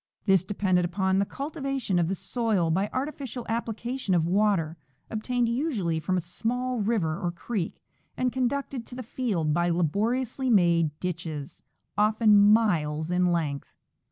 This depended upon the cultivation of the soil by artificial application of water, obtained usually from a small river or creek, and conducted to the field by laboriously made ditches, often miles in length.